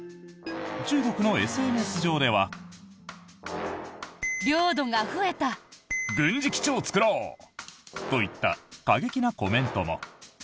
中国のＳＮＳ上では。といった、過激なコメントも。